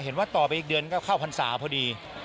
ต่อไปอีกเดือนก็เข้าพรรษาพอดี